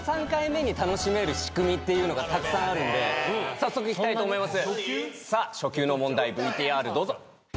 早速いきたいと思います。